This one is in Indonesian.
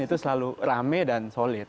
itu selalu rame dan solid